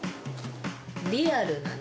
リアルなね